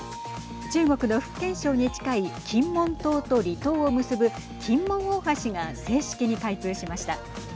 中国の福建省に近い金門島と離島を結ぶ金門大橋が正式に開通しました。